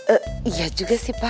eh iya juga sih pa